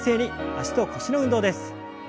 脚と腰の運動です。